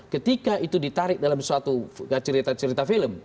ketika itu ditarik dalam suatu cerita cerita film